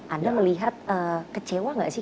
anda melihat kecewa nggak sih